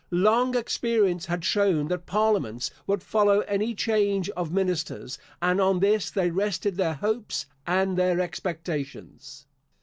Long experience had shown that parliaments would follow any change of ministers, and on this they rested their hopes and their expectations.